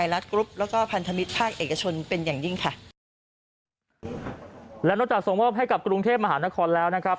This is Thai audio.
และนอกจากส่งมอบให้กับกรุงเทพมหานครแล้วนะครับ